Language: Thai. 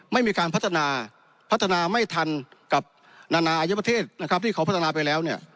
ไม่มีการพัฒนาพัฒนาไม่ทันกับนานาอายประเทศนะครับที่เขาพัฒนาไปแล้วเนี่ย